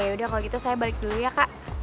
yaudah kalau gitu saya balik dulu ya kak